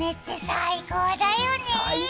最高だよね。